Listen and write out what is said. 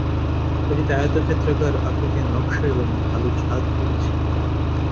এটিতে আয়তক্ষেত্রাকার আকৃতির নকশা এবং ঢালু ছাদ রয়েছে।